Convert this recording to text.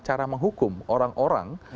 cara menghukum orang orang